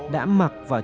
đã mặc vào trường